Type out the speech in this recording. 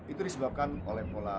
itu disebabkan oleh pola